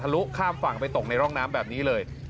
ลุข้ามฝั่งไปตกในร่องน้ำแบบนี้เลย